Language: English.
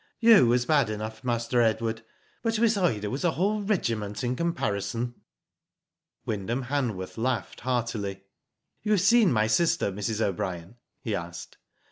"You was bad enough. Master Edward, but Miss Ida was a whole regiment in comparison." Wyndham Hanworth laughed heartily. "You have seen my sister, Mrs. O'Brien?" he asked.